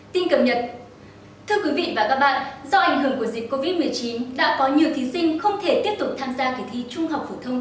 tin cập nhật